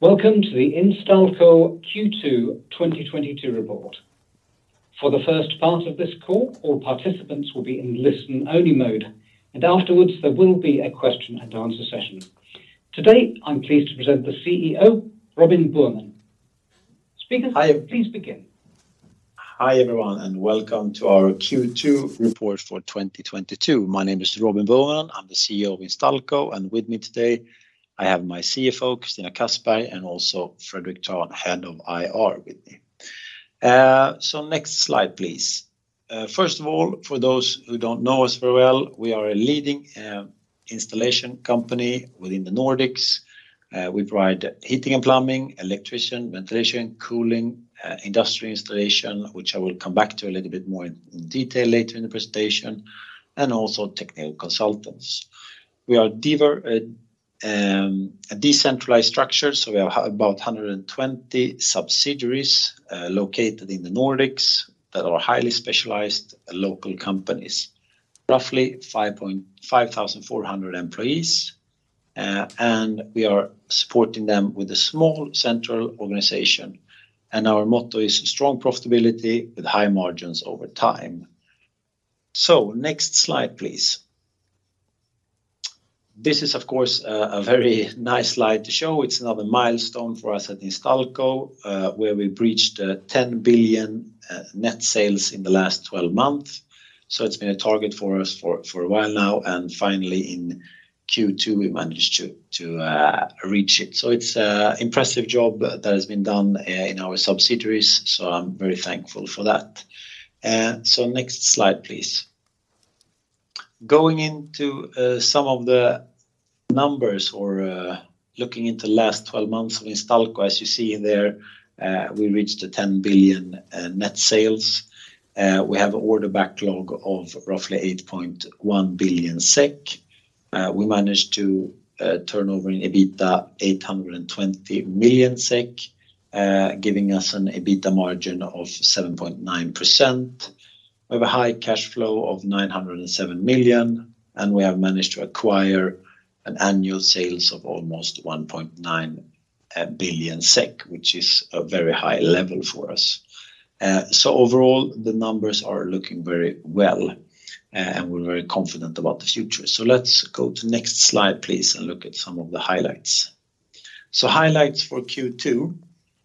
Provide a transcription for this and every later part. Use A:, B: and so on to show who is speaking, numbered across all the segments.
A: Welcome to the Instalco Q2 2022 report. For the first part of this call, all participants will be in listen-only mode, and afterwards there will be a question and answer session. Today, I'm pleased to present the CEO, Robin Boheman. Speaker, please begin.
B: Hi, everyone, and welcome to our Q2 report for 2022. My name is Robin Boheman. I'm the CEO of Instalco, and with me today I have my CFO, Christina Kassberg, and also Fredrik Trahn, Head of IR with me. Next slide, please. First of all, for those who don't know us very well, we are a leading installation company within the Nordics. We provide heating and plumbing, electrician, ventilation, cooling, industrial installation, which I will come back to a little bit more in detail later in the presentation, and also technical consultants. We are diverse, a decentralized structure, so we have about 120 subsidiaries located in the Nordics that are highly specialized local companies. Roughly 5,400 employees. We are supporting them with a small central organization, and our motto is strong profitability with high margins over time. Next slide, please. This is, of course, a very nice slide to show. It's another milestone for us at Instalco, where we breached 10 billion net sales in the last 12 months. It's been a target for us for a while now, and finally in Q2, we managed to reach it. It's an impressive job that has been done in our subsidiaries, so I'm very thankful for that. Next slide, please. Going into some of the numbers or looking into last 12 months of Instalco, as you see there, we reached 10 billion net sales. We have order backlog of roughly 8.1 billion SEK. We managed to turn over in EBITDA 820 million SEK, giving us an EBITDA margin of 7.9%. We have a high cash flow of 907 million, and we have managed to acquire an annual sales of almost 1.9 billion SEK, which is a very high level for us. Overall, the numbers are looking very well, and we're very confident about the future. Let's go to next slide, please, and look at some of the highlights. Highlights for Q2.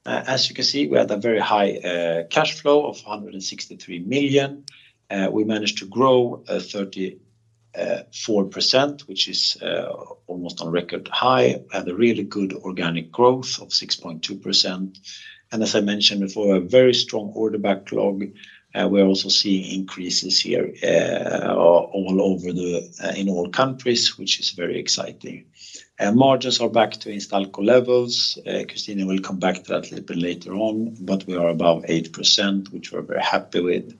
B: As you can see, we had a very high cash flow of 163 million. We managed to grow 34%, which is almost on record high. Had a really good organic growth of 6.2%. As I mentioned before, a very strong order backlog. We're also seeing increases here, all over, in all countries, which is very exciting. Margins are back to Instalco levels. Christina will come back to that a little bit later on, but we are above 8%, which we're very happy with.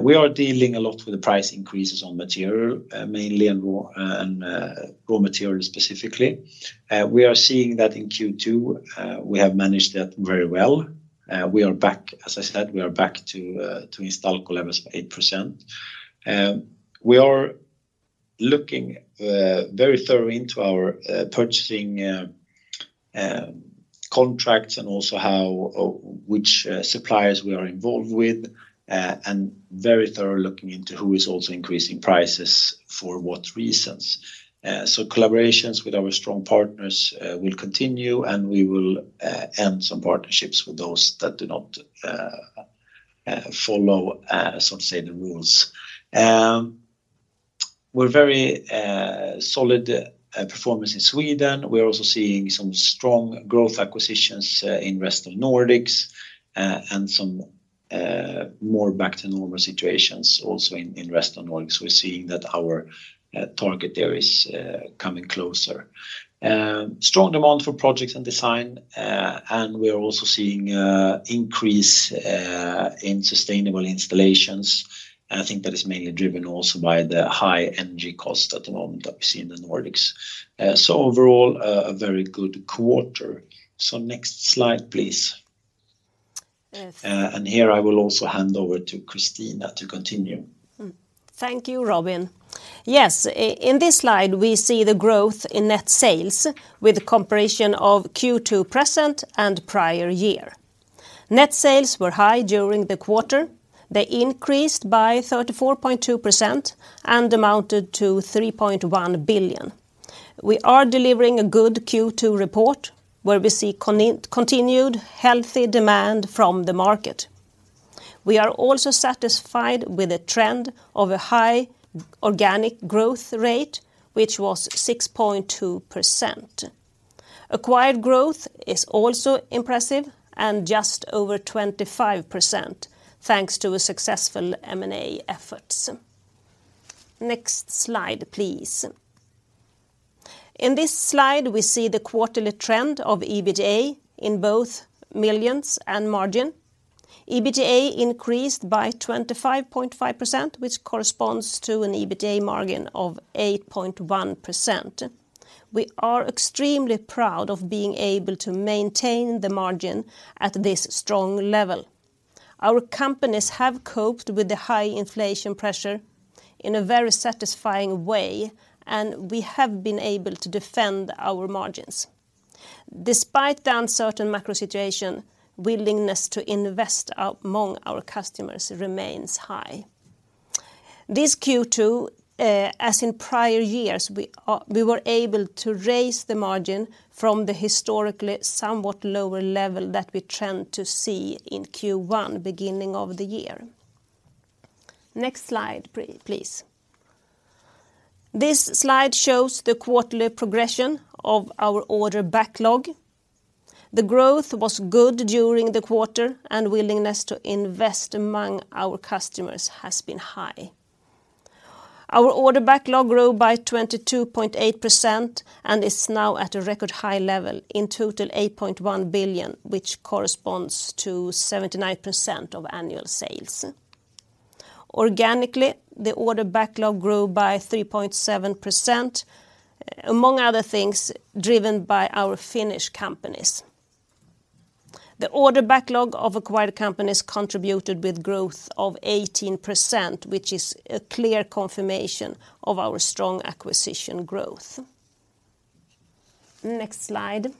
B: We are dealing a lot with the price increases on material, mainly, and raw materials specifically. We are seeing that in Q2. We have managed that very well. We are back, as I said, to Instalco levels of 8%. We are looking very thoroughly into our purchasing contracts and also how or which suppliers we are involved with, and very thoroughly looking into who is also increasing prices for what reasons. Collaborations with our strong partners will continue, and we will end some partnerships with those that do not follow, so say the rules. We're very solid performance in Sweden. We're also seeing some strong growth acquisitions in Rest of Nordics, and some more back to normal situations also in Rest of Nordics. We're seeing that our target there is coming closer. Strong demand for projects and design, and we are also seeing increase in sustainable installations. I think that is mainly driven also by the high energy cost at the moment that we see in the Nordics. Overall, a very good quarter. Next slide, please.
C: Yes.
B: Here I will also hand over to Christina to continue.
C: Thank you, Robin. Yes, in this slide, we see the growth in net sales with a comparison of Q2 present and prior year. Net sales were high during the quarter. They increased by 34.2% and amounted to 3.1 billion. We are delivering a good Q2 report where we see continued healthy demand from the market. We are also satisfied with the trend of a high organic growth rate, which was 6.2%. Acquired growth is also impressive and just over 25% thanks to a successful M&A efforts. Next slide, please. In this slide, we see the quarterly trend of EBITDA in both millions and margin. EBITDA increased by 25.5%, which corresponds to an EBITDA margin of 8.1%. We are extremely proud of being able to maintain the margin at this strong level. Our companies have coped with the high inflation pressure in a very satisfying way, and we have been able to defend our margins. Despite the uncertain macro situation, willingness to invest among our customers remains high. This Q2, as in prior years, we were able to raise the margin from the historically somewhat lower level that we trend to see in Q1, beginning of the year. Next slide, please. This slide shows the quarterly progression of our order backlog. The growth was good during the quarter, and willingness to invest among our customers has been high. Our order backlog grew by 22.8% and is now at a record high level, in total 8.1 billion, which corresponds to 79% of annual sales. Organically, the order backlog grew by 3.7%, among other things, driven by our Finnish companies. The order backlog of acquired companies contributed with growth of 18%, which is a clear confirmation of our strong acquisition growth. Next slide.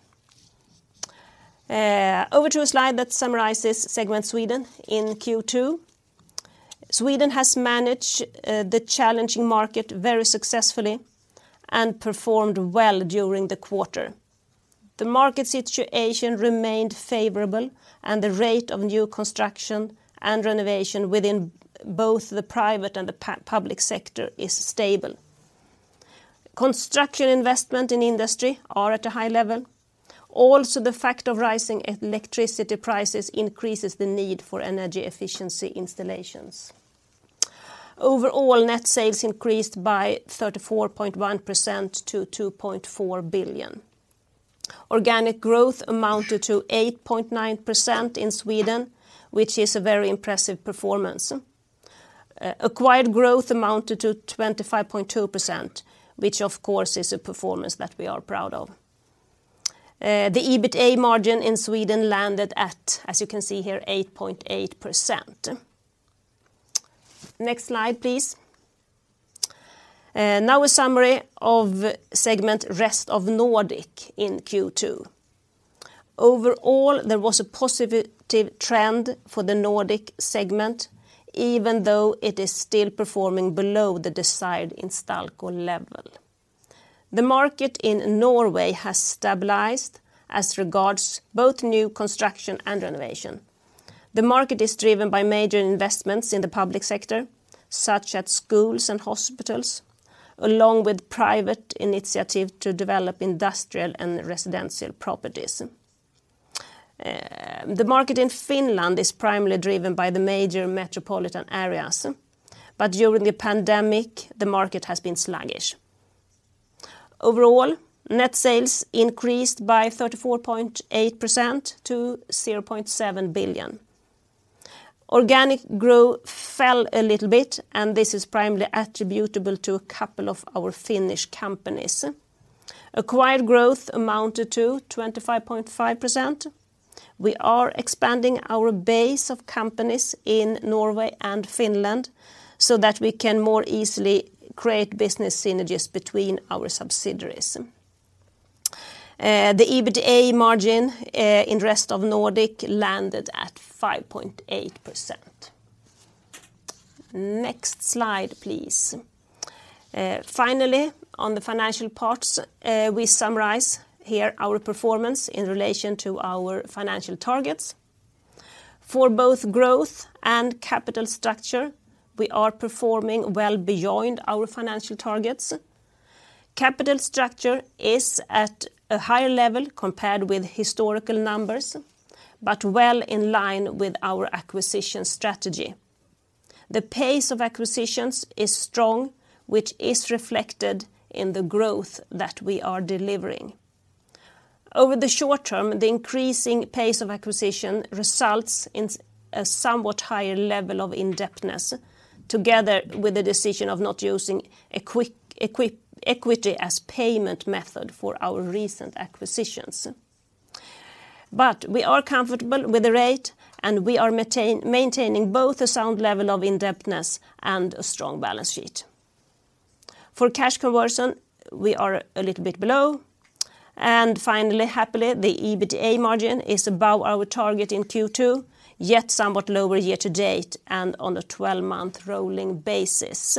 C: Over to a slide that summarizes segment Sweden in Q2. Sweden has managed the challenging market very successfully and performed well during the quarter. The market situation remained favorable, and the rate of new construction and renovation within both the private and the public sector is stable. Construction investment in industry are at a high level. Also, the fact of rising electricity prices increases the need for energy efficiency installations. Overall, net sales increased by 34.1% to 2.4 billion. Organic growth amounted to 8.9% in Sweden, which is a very impressive performance. Acquired growth amounted to 25.2%, which of course is a performance that we are proud of. The EBITA margin in Sweden landed at, as you can see here, 8.8%. Next slide, please. Now a summary of segment Rest of Nordic in Q2. Overall, there was a positive trend for the Nordic segment, even though it is still performing below the desired Instalco level. The market in Norway has stabilized as regards both new construction and renovation. The market is driven by major investments in the public sector, such as schools and hospitals, along with private initiative to develop industrial and residential properties. The market in Finland is primarily driven by the major metropolitan areas, but during the pandemic, the market has been sluggish. Overall, net sales increased by 34.8% to 0.7 billion. Organic growth fell a little bit, and this is primarily attributable to a couple of our Finnish companies. Acquired growth amounted to 25.5%. We are expanding our base of companies in Norway and Finland so that we can more easily create business synergies between our subsidiaries. The EBITDA margin in Rest of Nordic landed at 5.8%. Next slide, please. Finally, on the financial parts, we summarize here our performance in relation to our financial targets. For both growth and capital structure, we are performing well beyond our financial targets. Capital structure is at a higher level compared with historical numbers, but well in line with our acquisition strategy. The pace of acquisitions is strong, which is reflected in the growth that we are delivering. Over the short term, the increasing pace of acquisition results in somewhat higher level of indebtedness together with the decision of not using equity as payment method for our recent acquisitions. We are comfortable with the rate, and we are maintaining both a sound level of indebtedness and a strong balance sheet. For cash conversion, we are a little bit below. Finally, happily, the EBITDA margin is above our target in Q2, yet somewhat lower year to date and on a 12-month rolling basis.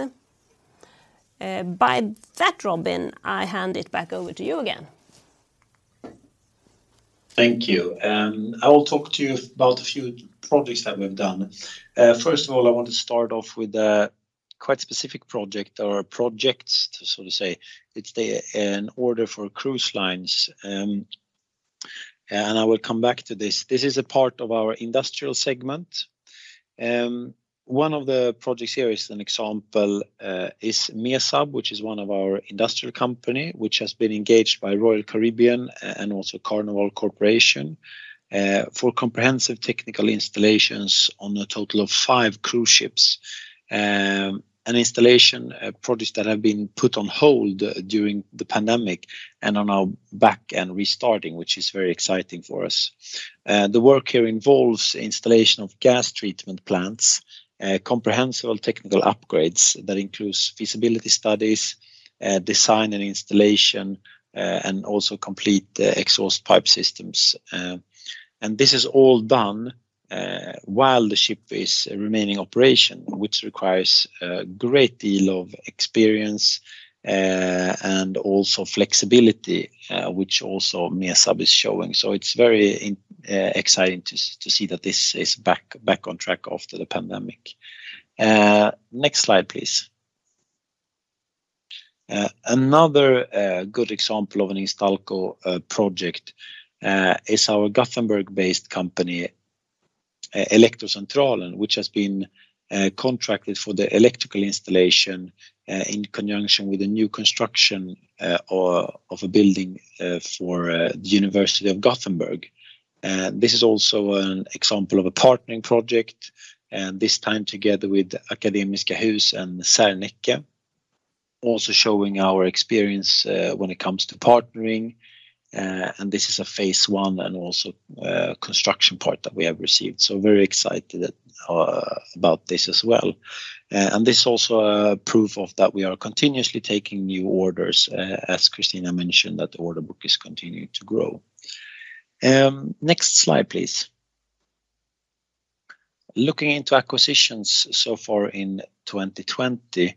C: By that, Robin, I hand it back over to you again.
B: Thank you. I will talk to you about a few projects that we've done. First of all, I want to start off with a quite specific project or projects to sort of say it's an order for cruise lines. I will come back to this. This is a part of our industrial segment. One of the projects here is an example is Mesab, which is one of our industrial company, which has been engaged by Royal Caribbean and also Carnival Corporation for comprehensive technical installations on a total of five cruise ships. Installation projects that have been put on hold during the pandemic and are now back and restarting, which is very exciting for us. The work here involves installation of gas treatment plants, comprehensive technical upgrades that includes feasibility studies, design and installation, and also completion of the exhaust pipe systems. This is all done while the ship is remaining in operation, which requires a great deal of experience and also flexibility, which also Mesab is showing. It's very exciting to see that this is back on track after the pandemic. Next slide, please. Another good example of an Instalco project is our Gothenburg-based company, Elektro-Centralen, which has been contracted for the electrical installation in conjunction with the new construction of a building for the University of Gothenburg. This is also an example of a partnering project, and this time together with Akademiska Hus and Serneke, also showing our experience when it comes to partnering. This is a phase I and also construction part that we have received. Very excited about this as well. This is also a proof of that we are continuously taking new orders, as Christina mentioned, that the order book is continuing to grow. Next slide, please. Looking into acquisitions so far in 2020,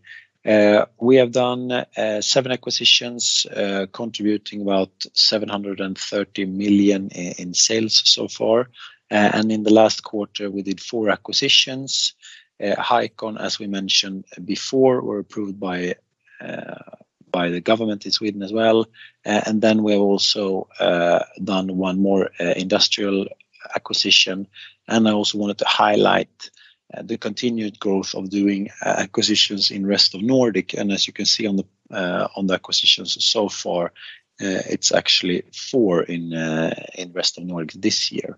B: we have done seven acquisitions, contributing about 730 million in sales so far. In the last quarter, we did four acquisitions. Highcon, as we mentioned before, were approved by the government in Sweden as well. We have also done one more industrial acquisition. I also wanted to highlight the continued growth of doing acquisitions in Rest of Nordic. As you can see on the acquisitions so far, it's actually four in Rest of Nordic this year.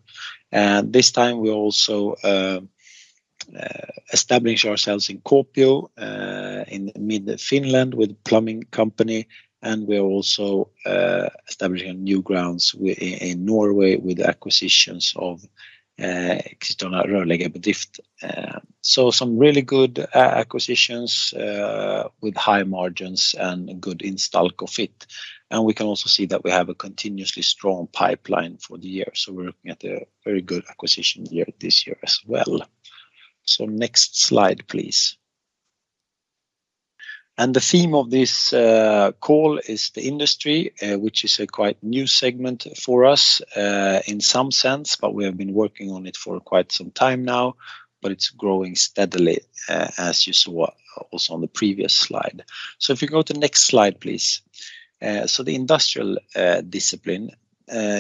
B: This time we also established ourselves in Kuopio in mid-Finland with plumbing company, and we're also establishing new grounds in Norway with acquisitions of Christiania Rörleggerbedrift. Some really good acquisitions with high margins and good Instalco fit. We can also see that we have a continuously strong pipeline for the year. We're looking at a very good acquisition year this year as well. Next slide, please. The theme of this call is the industry, which is a quite new segment for us, in some sense, but we have been working on it for quite some time now, but it's growing steadily, as you saw also on the previous slide. If you go to the next slide, please. The industrial discipline,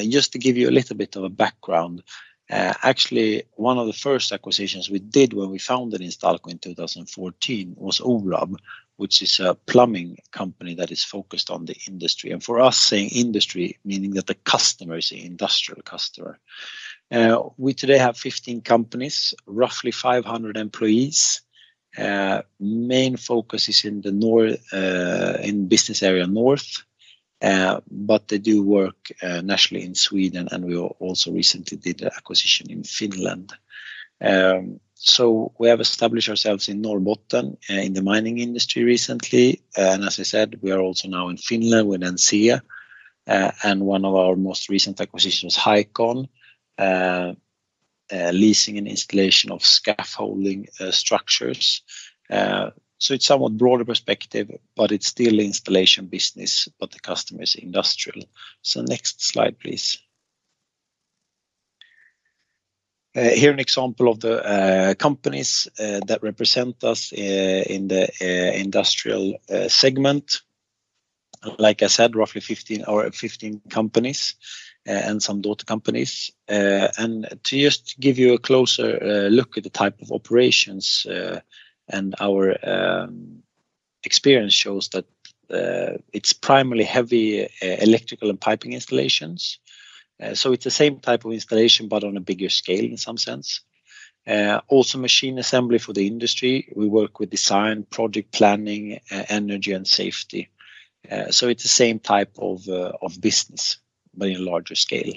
B: just to give you a little bit of a background, actually one of the first acquisitions we did when we founded Instalco in 2014 was Orab, which is a plumbing company that is focused on the industry. For us saying industry, meaning that the customer is the industrial customer. We today have 15 companies, roughly 500 employees. Main focus is in business area north, but they do work nationally in Sweden, and we also recently did acquisition in Finland. We have established ourselves in Norrbotten in the mining industry recently. As I said, we are also now in Finland with NCE, and one of our most recent acquisitions, Highcon, leasing and installation of scaffolding structures. It's somewhat broader perspective, but it's still installation business, but the customer is industrial. Next slide, please. Here an example of the companies that represent us in the industrial segment. Like I said, roughly 15 companies and some daughter companies. To just give you a closer look at the type of operations, and our experience shows that it's primarily heavy electrical and piping installations. It's the same type of installation, but on a bigger scale in some sense. Also machine assembly for the industry. We work with design, project planning, energy, and safety. It's the same type of business, but in a larger scale.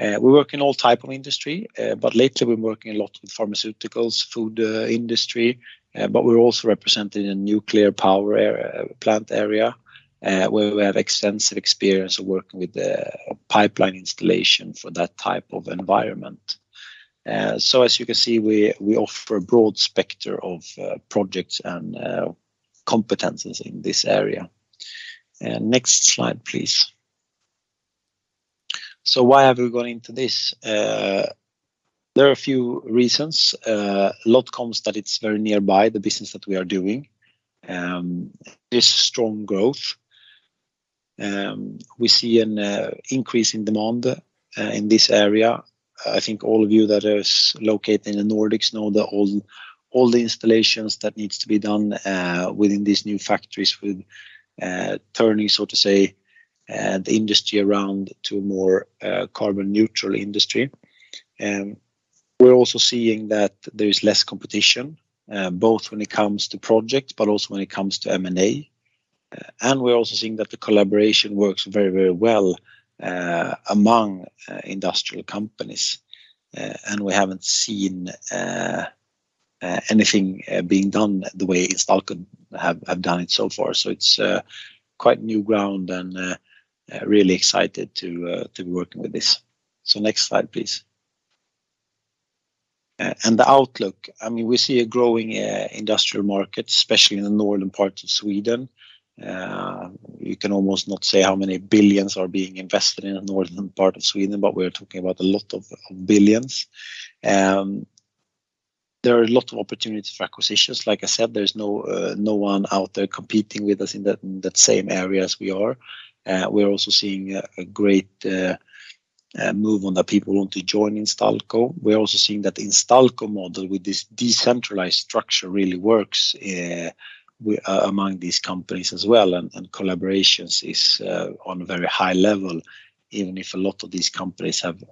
B: We work in all type of industry, but lately, we're working a lot with pharmaceuticals, food industry, but we're also represented in nuclear power plant area, where we have extensive experience of working with the pipeline installation for that type of environment. As you can see, we offer a broad spectrum of projects and competencies in this area. Next slide, please. Why have we gone into this? There are a few reasons. A lot of it is very nearby the business that we are doing. There's strong growth. We see an increase in demand in this area. I think all of you that is located in the Nordics know that all the installations that needs to be done within these new factories with turning, so to say, the industry around to a more carbon neutral industry. We're also seeing that there is less competition both when it comes to projects, but also when it comes to M&A. We're also seeing that the collaboration works very, very well among industrial companies. We haven't seen anything being done the way Instalco have done it so far. It's quite new ground and really excited to be working with this. Next slide, please. The outlook, I mean, we see a growing industrial market, especially in the northern parts of Sweden. You can almost not say how many billions are being invested in the northern part of Sweden, but we're talking about a lot of billions. There are a lot of opportunities for acquisitions. Like I said, there's no one out there competing with us in that same area as we are. We're also seeing a great move on that people want to join Instalco. We're also seeing that the Instalco model with this decentralized structure really works, among these companies as well, and collaborations is on a very high level, even if a lot of these companies have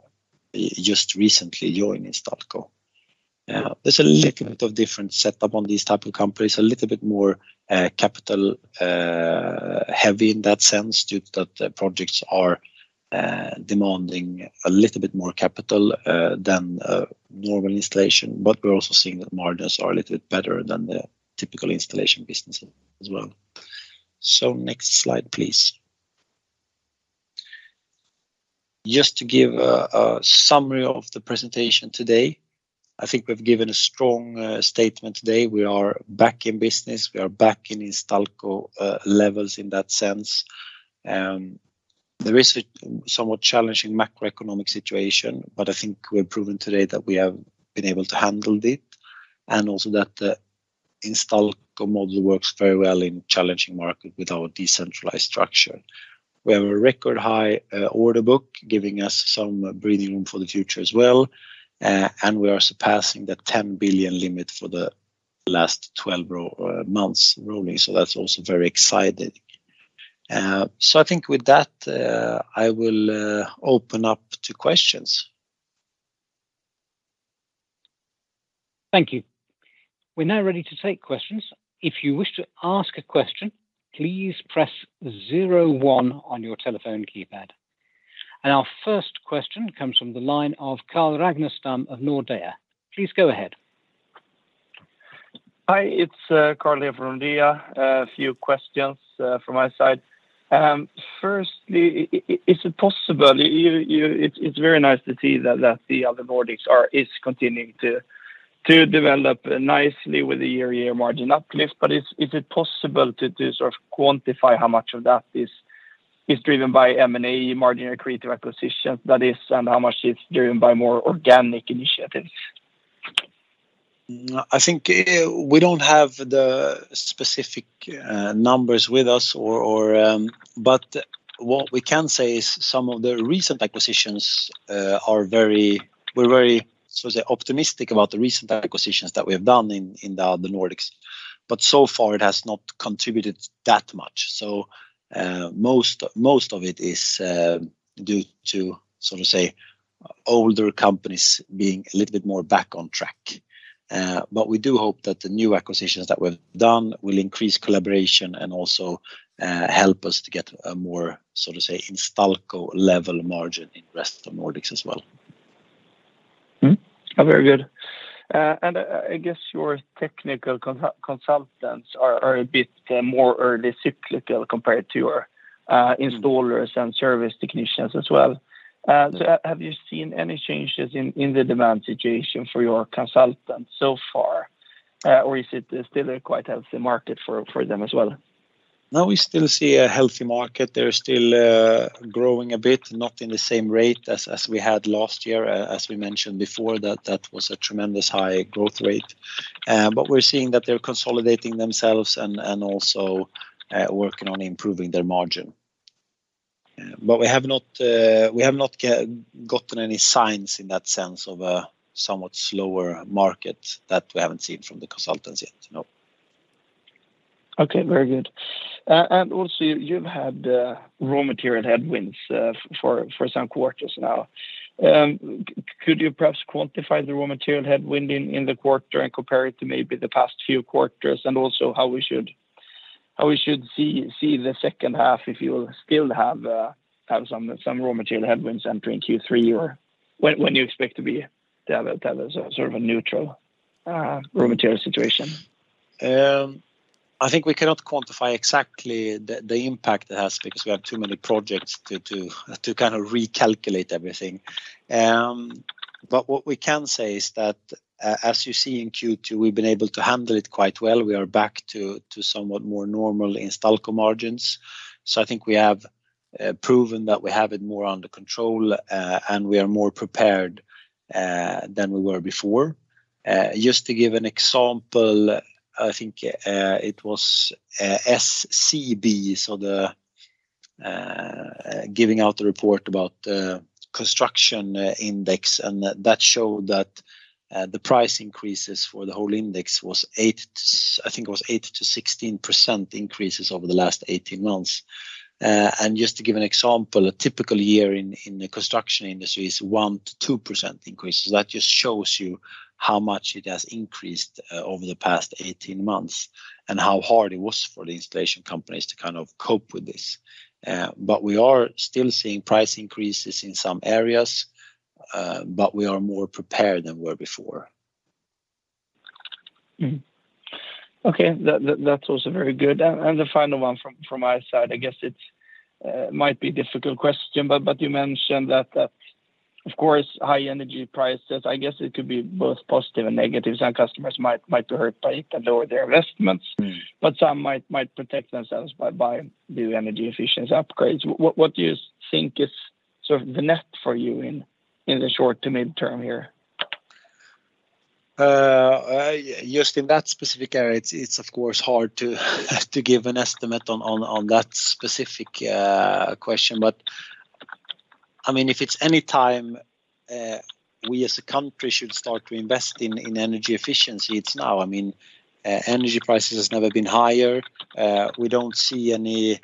B: just recently joined Instalco. There's a little bit of different setup on these type of companies, a little bit more capital heavy in that sense due to that the projects are demanding a little bit more capital than a normal installation. But we're also seeing that margins are a little bit better than the typical installation businesses as well. Next slide, please. Just to give a summary of the presentation today, I think we've given a strong statement today. We are back in business. We are back in Instalco levels in that sense. There is a somewhat challenging macroeconomic situation, but I think we've proven today that we have been able to handle it, and also that the Instalco model works very well in challenging market with our decentralized structure. We have a record high order book giving us some breathing room for the future as well, and we are surpassing the 10 billion limit for the last 12 months rolling, so that's also very exciting. I think with that, I will open up to questions.
A: Thank you. We're now ready to take questions. If you wish to ask a question, please press zero one on your telephone keypad. Our first question comes from the line of Carl Ragnerstam of Nordea. Please go ahead.
D: Hi, it's Carl here from Nordea. A few questions from my side. Firstly, it's very nice to see that the other Nordics are continuing to develop nicely with the year-over-year margin uplift, but is it possible to sort of quantify how much of that is driven by M&A margin accretive acquisitions, that is, and how much is driven by more organic initiatives?
B: I think we don't have the specific numbers with us or, but what we can say is some of the recent acquisitions we're very, so to say, optimistic about the recent acquisitions that we have done in the other Nordics. So far it has not contributed that much. Most of it is due to so to say older companies being a little bit more back on track. We do hope that the new acquisitions that we've done will increase collaboration and also help us to get a more, so to say, Instalco level margin in Rest of Nordics as well.
D: Mm-hmm. Oh, very good. I guess your technical consultants are a bit more early cyclical compared to your installers and service technicians as well. Have you seen any changes in the demand situation for your consultants so far? Or is it still a quite healthy market for them as well?
B: No, we still see a healthy market. They're still growing a bit, not at the same rate as we had last year, as we mentioned before, that was a tremendous high growth rate. We're seeing that they're consolidating themselves and also working on improving their margin. We have not gotten any signs in that sense of a somewhat slower market that we haven't seen from the consultants yet. No.
D: Okay. Very good. Also you've had raw material headwinds for some quarters now. Could you perhaps quantify the raw material headwind in the quarter and compare it to maybe the past few quarters? Also how we should see the second half, if you will still have some raw material headwinds entering Q3 or when do you expect to be the sort of a neutral raw material situation?
B: I think we cannot quantify exactly the impact it has because we have too many projects to kind of recalculate everything. What we can say is that as you see in Q2, we've been able to handle it quite well. We are back to somewhat more normal Instalco margins. I think we have proven that we have it more under control, and we are more prepared than we were before. Just to give an example, I think it was SCB giving out the report about construction index, and that showed that the price increases for the whole index was 8%-16% increases over the last 18 months. Just to give an example, a typical year in the construction industry is 1%-2% increase. That just shows you how much it has increased over the past 18 months and how hard it was for the installation companies to kind of cope with this. We are still seeing price increases in some areas, but we are more prepared than we were before.
D: Mm-hmm. Okay. That was very good. The final one from my side, I guess it might be difficult question, but you mentioned that, of course, high energy prices, I guess it could be both positive and negative. Some customers might be hurt by it and lower their investments.
B: Mm-hmm
D: Some might protect themselves by buying new energy efficiency upgrades. What do you think is sort of the net for you in the short to mid-term here?
B: Just in that specific area, it's of course hard to give an estimate on that specific question. I mean, if it's any time, we as a country should start to invest in energy efficiency, it's now. I mean, energy prices has never been higher. We don't see any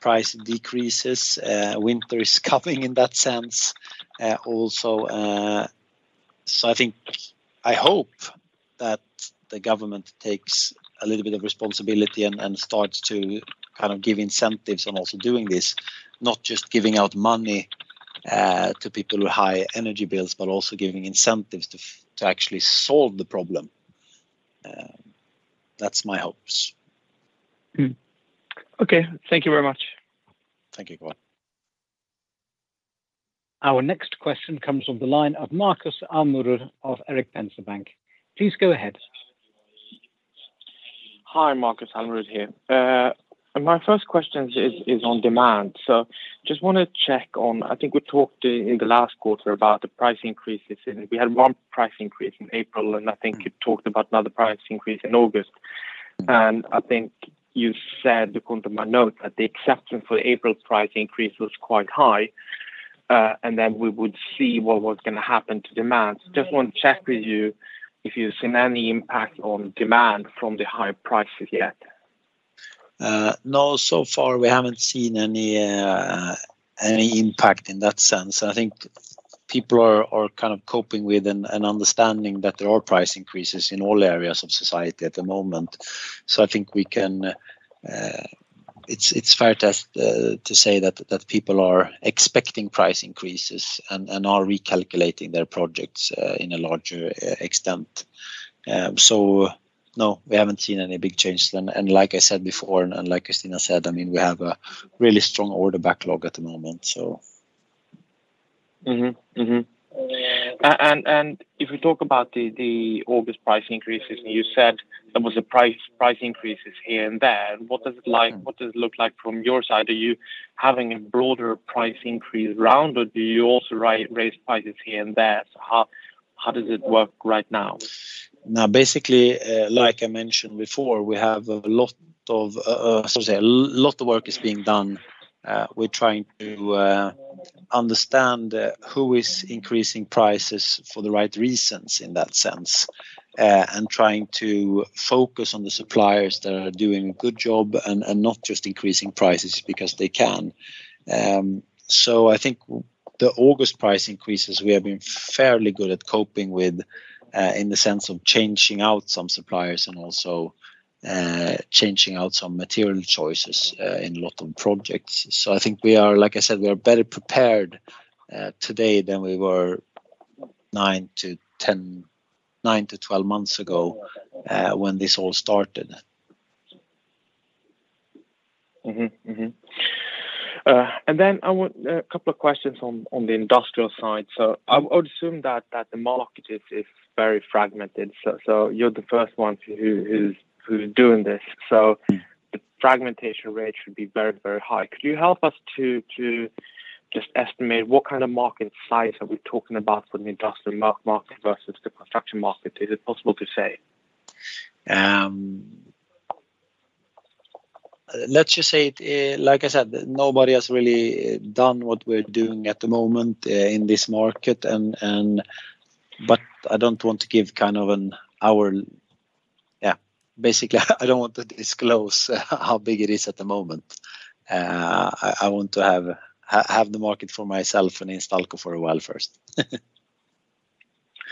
B: price decreases. Winter is coming in that sense, also. I think I hope that the government takes a little bit of responsibility and starts to kind of give incentives on also doing this, not just giving out money to people with high energy bills, but also giving incentives to actually solve the problem. That's my hopes.
D: Okay. Thank you very much.
B: Thank you. Goodbye.
A: Our next question comes from the line of Markus Almerud of Erik Penser Bank. Please go ahead.
E: Hi. Markus Almerud here. My first question is on demand. Just wanna check on. I think we talked in the last quarter about the price increases, and we had one price increase in April, and I think you talked about another price increase in August. I think you said, according to my note, that the acceptance for April's price increase was quite high, and then we would see what was gonna happen to demand. Just want to check with you if you've seen any impact on demand from the higher prices yet?
B: No. So far we haven't seen any impact in that sense. I think people are kind of coping with and understanding that there are price increases in all areas of society at the moment. It's fair to say that people are expecting price increases and are recalculating their projects in a larger extent. No, we haven't seen any big changes. Like I said before, like Christina said, I mean, we have a really strong order backlog at the moment.
E: If we talk about the August price increases, and you said there was a price increases here and there, what does it like?
B: Mm-hmm
E: What does it look like from your side? Are you having a broader price increase round, or do you also raise prices here and there? How does it work right now?
B: Now, basically, like I mentioned before, a lot of work is being done. We're trying to understand who is increasing prices for the right reasons in that sense, and trying to focus on the suppliers that are doing a good job and not just increasing prices because they can. I think the August price increases we have been fairly good at coping with, in the sense of changing out some suppliers and also changing out some material choices, in a lot of projects. I think we are, like I said, we are better prepared today than we were nine-10, nine-12 months ago, when this all started.
E: I want a couple of questions on the industrial side. I would assume that the market is very fragmented. You're the first one who's doing this.
B: Mm-hmm
E: The fragmentation rate should be very, very high. Could you help us to just estimate what kind of market size are we talking about for the industrial market versus the construction market? Is it possible to say?
B: Let's just say it. Like I said, nobody has really done what we're doing at the moment in this market. I don't want to give kind of an hour. Yeah. Basically, I don't want to disclose how big it is at the moment. I want to have the market for myself and Instalco for a while first.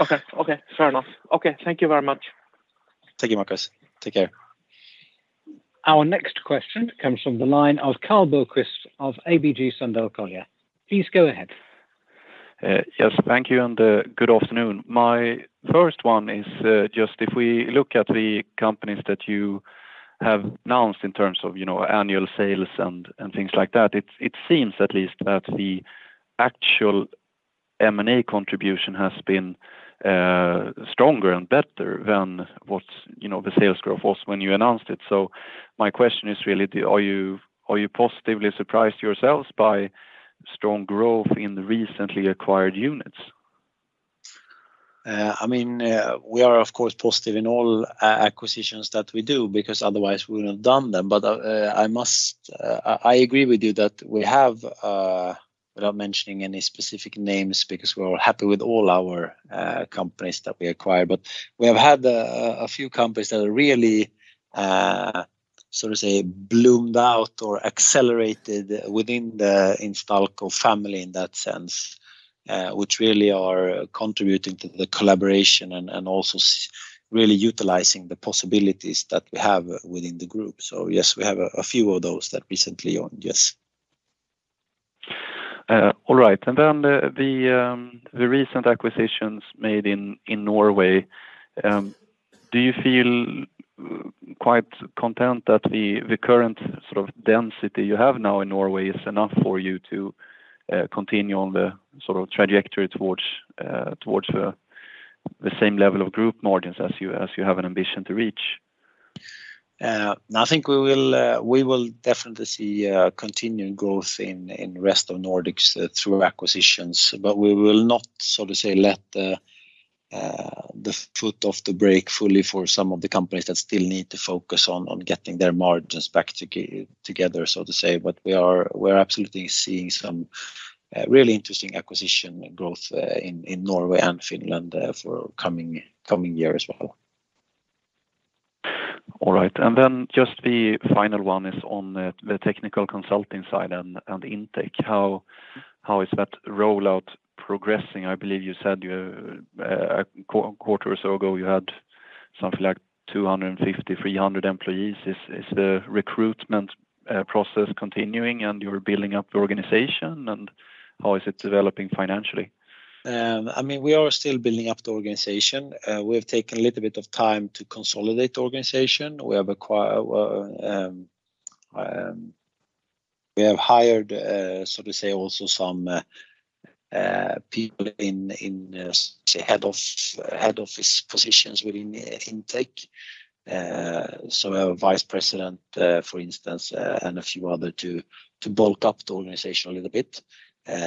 E: Okay. Fair enough. Okay. Thank you very much.
B: Thank you, Markus. Take care.
A: Our next question comes from the line of Karl Bokvist of ABG Sundal Collier. Please go ahead.
F: Yes. Thank you, and good afternoon. My first one is just if we look at the companies that you have announced in terms of, you know, annual sales and things like that, it seems at least that the actual M&A contribution has been stronger and better than what's, you know, the sales growth was when you announced it. My question is really. Are you positively surprised yourselves by strong growth in the recently acquired units?
B: I mean, we are of course positive in all acquisitions that we do because otherwise we wouldn't have done them. I agree with you that we have, without mentioning any specific names because we're all happy with all our companies that we acquire, but we have had a few companies that really, so to say, bloomed out or accelerated within the Instalco family in that sense, which really are contributing to the collaboration and also really utilizing the possibilities that we have within the group. Yes, we have a few of those that recently. Yes.
F: All right. The recent acquisitions made in Norway, do you feel quite content that the current sort of density you have now in Norway is enough for you to continue on the sort of trajectory towards the same level of group margins as you have an ambition to reach?
B: I think we will definitely see continuing growth in Rest of Nordics through acquisitions, but we will not, so to say, let the foot off the brake fully for some of the companies that still need to focus on getting their margins back together, so to say. We're absolutely seeing some really interesting acquisition growth in Norway and Finland for coming year as well.
F: All right. Just the final one is on the technical consulting side and Intec. How is that rollout progressing? I believe you said you a quarter or so ago, you had something like 250-300 employees. Is the recruitment process continuing and you're building up the organization? How is it developing financially?
B: I mean, we are still building up the organization. We have taken a little bit of time to consolidate the organization. We have hired, so to say also some people in, say, head office positions within Intec. So a Vice President, for instance, and a few other to bulk up the organization a little bit,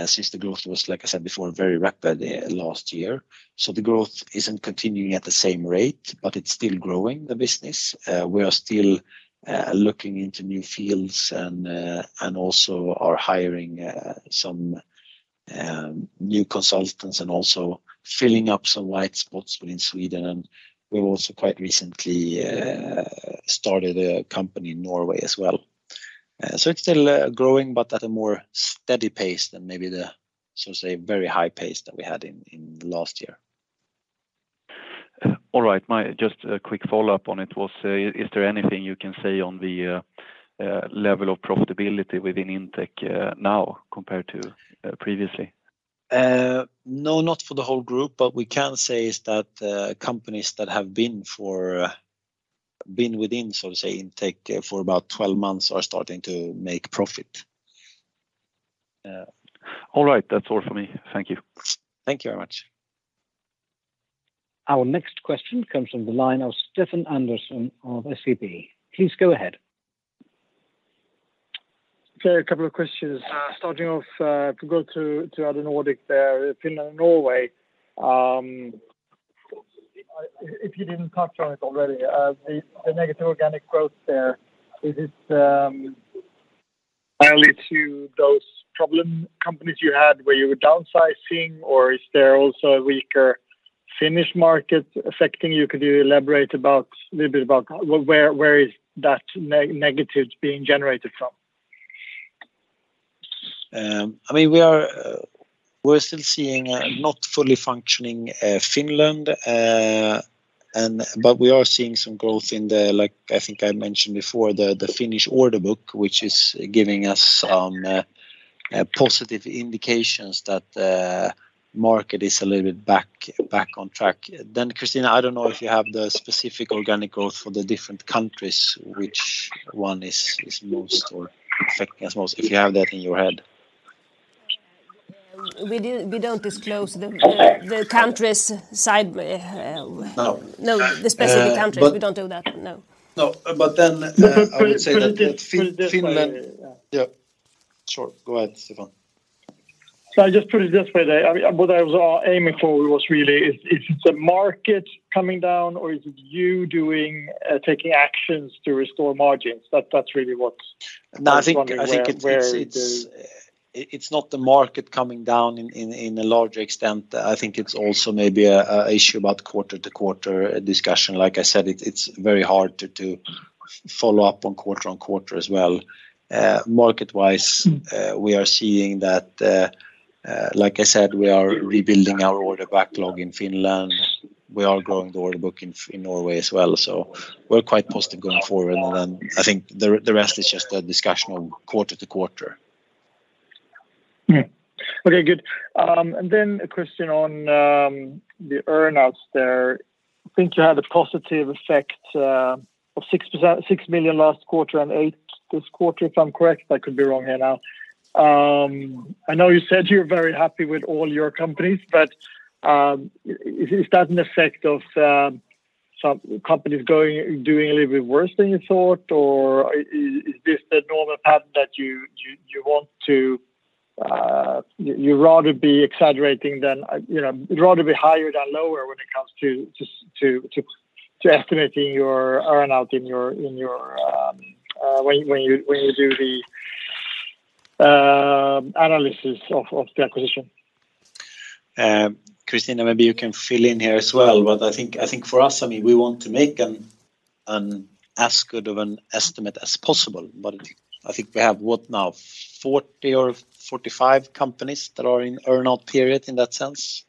B: since the growth was, like I said before, very rapid, last year. The growth isn't continuing at the same rate, but it's still growing the business. We are still looking into new fields and also are hiring some new consultants and also filling up some white spots within Sweden. We've also quite recently started a company in Norway as well. It's still growing but at a more steady pace than maybe the, so to say, very high pace that we had in last year.
F: All right. Just a quick follow-up on it. Is there anything you can say on the level of profitability within Intec now compared to previously?
B: No, not for the whole group, but we can say is that companies that have been within, so to say, Intec for about 12 months are starting to make profit. Yeah.
F: All right. That's all for me. Thank you.
B: Thank you very much.
A: Our next question comes from the line of Stefan Andersson of SEB. Please go ahead.
G: Okay, a couple of questions. Starting off, to other Nordic there, Finland, Norway. If you didn't touch on it already, the negative organic growth there, is it mainly to those problem companies you had where you were downsizing, or is there also a weaker Finnish market affecting you? Could you elaborate a little bit about where that negative is being generated from?
B: I mean, we're still seeing a not fully functioning Finland, but we're seeing some growth in the, like I think I mentioned before, the Finnish order book, which is giving us some positive indications that market is a little bit back on track. Christina, I don't know if you have the specific organic growth for the different countries, which one is most affecting us most, if you have that in your head.
C: We don't disclose the countries side.
B: No.
C: No, the specific countries.
B: But-
C: We don't do that. No.
B: No. I would say that Finland.
G: Put it this way.
B: Yeah, sure. Go ahead, Stefan.
G: I just put it this way. I mean, what I was aiming for was really, is it the market coming down or is it you doing, taking actions to restore margins? That's really what's-
B: No, I think it's not the market coming down in a larger extent. I think it's also maybe an issue about quarter to quarter discussion. Like I said, it's very hard to follow up on quarter on quarter as well. Market-wise, we are seeing that, like I said, we are rebuilding our order backlog in Finland. We are growing the order book in Norway as well. We're quite positive going forward. I think the rest is just a discussion of quarter to quarter.
G: Okay, good. A question on the earnouts there. I think you had a positive effect of 6 million last quarter and 8 million this quarter, if I'm correct. I could be wrong here now. I know you said you're very happy with all your companies, but is that an effect of some companies doing a little bit worse than you thought? Or is this the normal pattern that you want to rather be exaggerating than, you know, rather be higher than lower when it comes to estimating your earnout in your when you do the analysis of the acquisition?
B: Christina, maybe you can fill in here as well. I think for us, I mean, we want to make an as good of an estimate as possible. I think we have, what now, 40 or 45 companies that are in earnout period in that sense.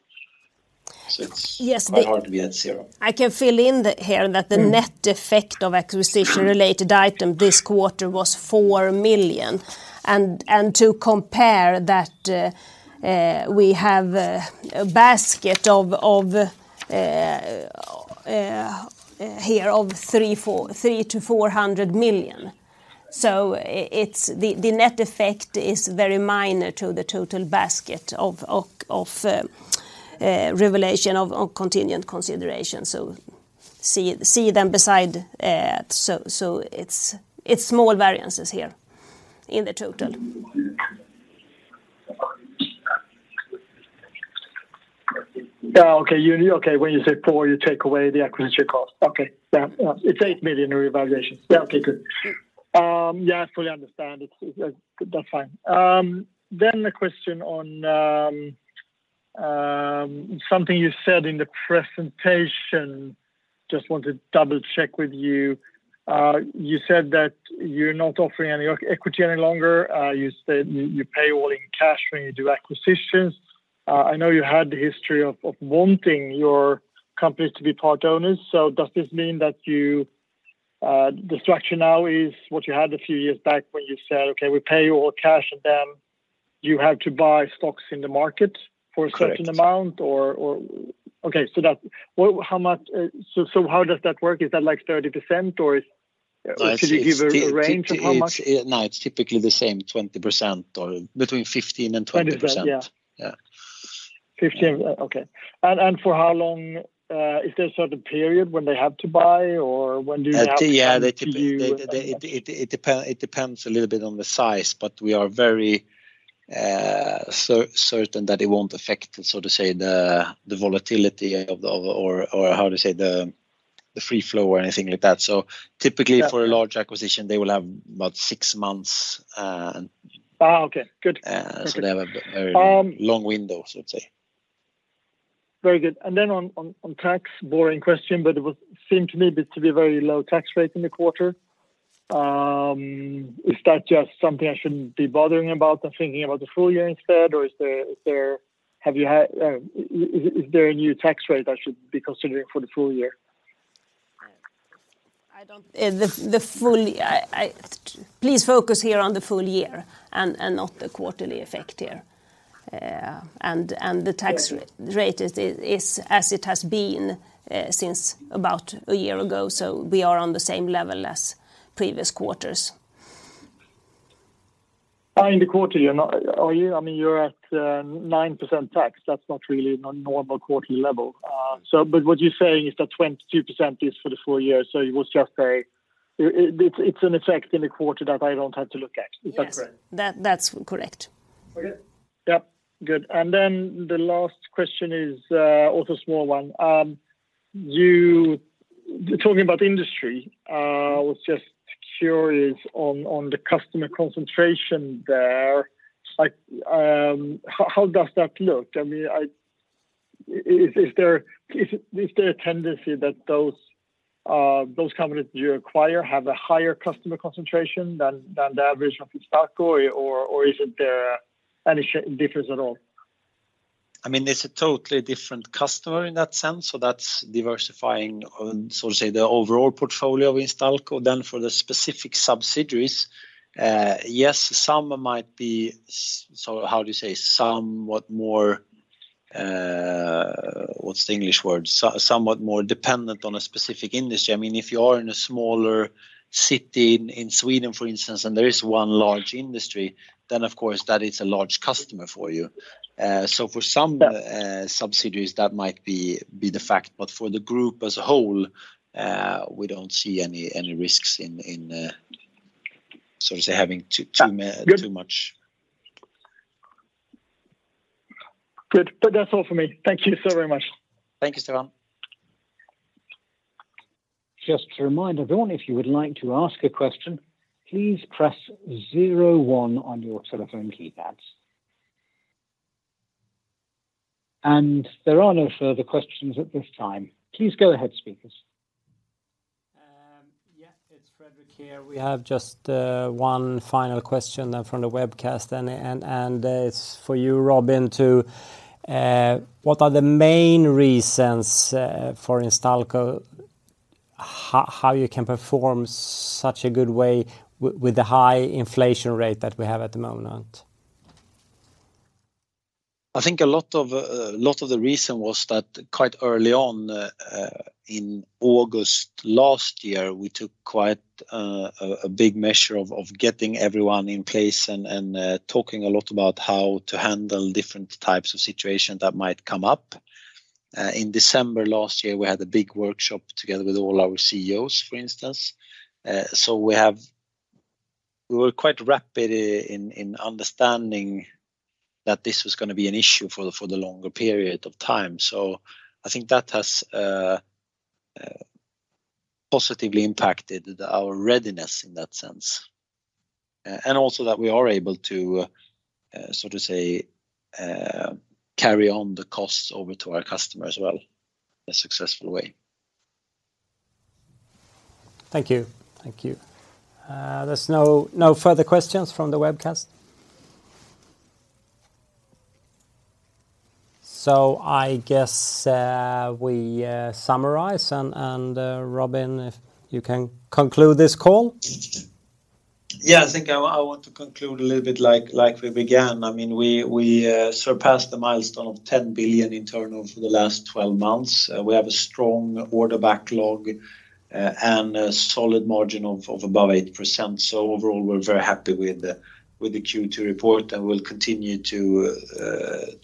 B: It's
C: Yes.
B: quite hard to be at zero.
C: I can fill in that the net effect of acquisition-related item this quarter was 4 million. To compare that, we have a basket of SEK 343 million-SEK 400 million. The net effect is very minor to the total basket of revaluation of contingent consideration. See them beside. It's small variances here in the total.
G: Yeah. Okay. Okay, when you say 4 million, you take away the acquisition cost. Okay. Yeah. Yeah. It's 8 million in revaluation. Yeah. Okay. Good. Yeah, I fully understand. That's fine. The question on something you said in the presentation, just want to double check with you. You said that you're not offering any equity any longer. You said you pay all in cash when you do acquisitions. I know you had the history of wanting your companies to be part owners, so does this mean that the structure now is what you had a few years back when you said, "Okay, we pay you all cash, and then you have to buy stocks in the market for a certain amount?
B: Correct.
G: Okay. What, how much? How does that work? Is that like 30% or should you give a range of how much?
B: It's typically the same 20% or between 15% and 20%.
G: 20%, yeah.
B: Yeah.
G: 15%, okay. For how long? Is there a certain period when they have to buy or when do they have the time to do-
B: Yeah, they typically, it depends a little bit on the size, but we are very certain that it won't affect, so to say, the volatility, or how to say, the free float or anything like that. Typically
G: That-
B: For a large acquisition, they will have about six months.
G: Okay. Good.
B: Uh, so they have a-
G: Um-
B: Very long window, so to say.
G: Very good. On tax, boring question, but it seemed to me to be a very low tax rate in the quarter. Is that just something I shouldn't be bothering about and thinking about the full year instead, or is there a new tax rate I should be considering for the full year?
C: Please focus here on the full year and not the quarterly effect here. The tax rate.
G: Yeah
C: rate is as it has been since about a year ago. We are on the same level as previous quarters.
G: Oh, in the quarter you're not, are you? I mean you're at 9% tax. That's not really a normal quarterly level. So, but what you're saying is that 22% is for the full year, so it was just an effect in the quarter that I don't have to look at. Is that correct?
C: Yes. That, that's correct.
G: Okay. Yep. Good. The last question is also small one. You talking about industry, I was just curious on the customer concentration there. Like, how does that look? I mean, is there a tendency that those companies you acquire have a higher customer concentration than the average of Instalco or isn't there any such difference at all?
B: I mean, it's a totally different customer in that sense, so that's diversifying on, so to say, the overall portfolio of Instalco. For the specific subsidiaries, yes, some might be somewhat more dependent on a specific industry. I mean, if you are in a smaller city in Sweden, for instance, and there is one large industry, then of course that is a large customer for you. So for some-
G: That-
B: subsidiaries, that might be the fact, but for the group as a whole, we don't see any risks in so to say having too m-
G: Good.
B: too much.
G: Good. That's all for me. Thank you so very much.
B: Thank you, Stefan.
A: Just a reminder to everyone, if you would like to ask a question, please press zero one on your telephone keypads. There are no further questions at this time. Please go ahead, speakers.
H: Yeah. It's Fredrik here. We have just one final question from the webcast, and it's for you, Robin. What are the main reasons for Instalco, how you can perform such a good way with the high inflation rate that we have at the moment?
B: I think a lot of the reason was that quite early on in August last year, we took quite a big measure of getting everyone in place and talking a lot about how to handle different types of situations that might come up. In December last year, we had a big workshop together with all our CEOs, for instance. We were quite rapid in understanding that this was gonna be an issue for the longer period of time. I think that has positively impacted our readiness in that sense. Also that we are able to so to say carry on the costs over to our customers well in a successful way.
H: Thank you. There's no further questions from the webcast. I guess we summarize and Robin, if you can conclude this call.
B: Yeah, I think I want to conclude a little bit like we began. I mean, we surpassed the milestone of 10 billion in turnover for the last 12 months. We have a strong order backlog and a solid margin of above 8%. Overall, we're very happy with the Q2 report and we'll continue to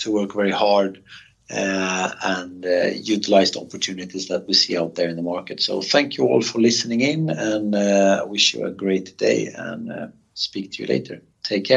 B: work very hard and utilize the opportunities that we see out there in the market. Thank you all for listening in, and wish you a great day and speak to you later. Take care.